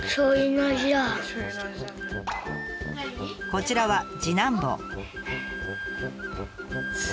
こちらは次男坊。